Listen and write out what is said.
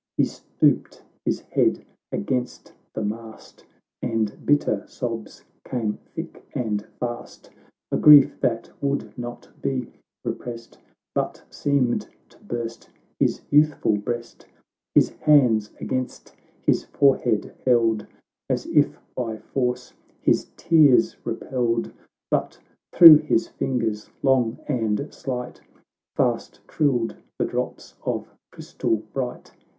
He stooped his head against the mast, And bitter sobs came thick and fast, A grief that would not be repressed, But seemed to burst his youthful breast. His hands, against his forehead held, As if by force his tears repelled, But through his fingers, long and slight, Fast trilled the drops of crystal bright.